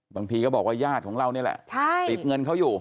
บางทีก็บอกว่าญาติของเรานี่แหละติดเงินเขาอยู่